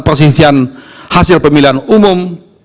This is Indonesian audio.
persisian hasil pemilihan umum